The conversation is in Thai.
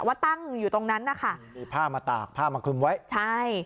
ว่าตั้งอยู่ตรงนั้นนะคะมีผ้ามาตากผ้ามาคลุมไว้ใช่